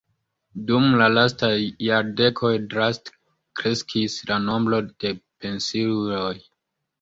Dum la lastaj jardekoj draste kreskis la nombro de pensiuloj.